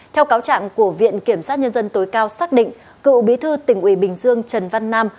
theo cáo trạng của viện kiểm sát nhân dân tối cao xác định cựu bí thư tỉnh ủy bình dương trần văn nam